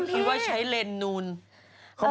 ที่ว่าใช้เลนเผา